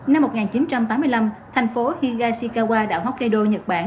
năm một nghìn chín trăm tám mươi năm thành phố higashikawa đã hokkaido nhật bản